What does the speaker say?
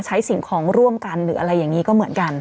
สิ่งของร่วมกันหรืออะไรอย่างนี้ก็เหมือนกัน